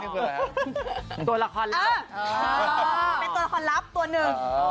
เป็นตัวละครลับตัวหนึ่ง